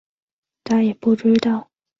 圣天是许多重要的中观派论着的作者。